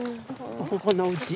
ここのうち。